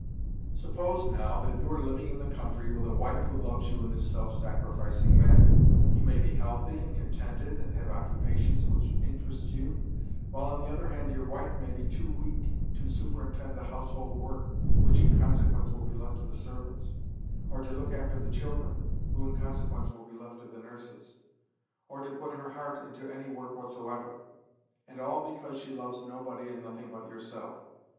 Suppose, now, that you are living in the country with a wife who loves you in this self sacrificing manner. You may be healthy and contented, and have occupations which interest you, while, on the other hand, your wife may be too weak to superintend the household work (which, in consequence, will be left to the servants), or to look after the children (who, in consequence, will be left to the nurses), or to put her heart into any work whatsoever: and all because she loves nobody and nothing but yourself.